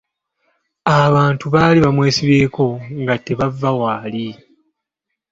Abantu baali bamwesibyeko nga tebava waali!